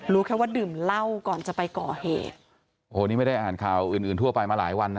แค่ว่าดื่มเหล้าก่อนจะไปก่อเหตุโอ้โหนี่ไม่ได้อ่านข่าวอื่นอื่นทั่วไปมาหลายวันนะ